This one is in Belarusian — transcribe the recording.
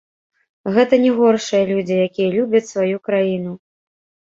Гэта не горшыя людзі, якія любяць сваю краіну.